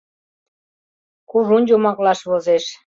— Кужун йомаклаш возеш.